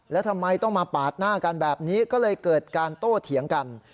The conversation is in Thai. แล้วทำไมต้องมาปาดหน้ากันแบบนี้ก็เลยเกิดการโต้เถียงกัน